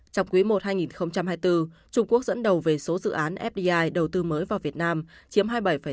trong quý i hai nghìn hai mươi bốn trung quốc dẫn đầu về số dự án fdi đầu tư mới vào việt nam chiếm hai mươi bảy tám